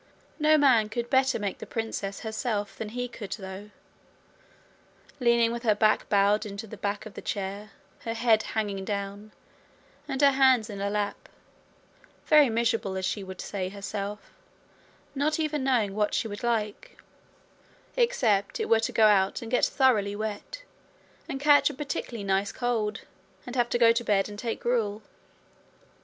No man could better make the princess herself than he could, though leaning with her back bowed into the back of the chair, her head hanging down, and her hands in her lap, very miserable as she would say herself, not even knowing what she would like, except it were to go out and get thoroughly wet, and catch a particularly nice cold, and have to go to bed and take gruel.